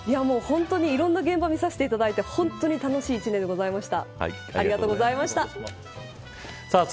いろんな現場を見させていただいて本当に楽しい１年でございました。